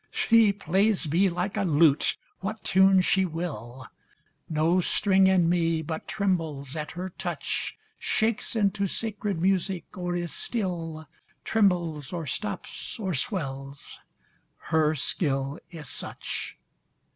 She plays me like a lute, what tune she will, No string in me but trembles at her touch, Shakes into sacred music, or is still, Trembles or stops, or swells, her skill is such.